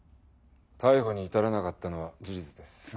逮捕に至らなかったのは事実です。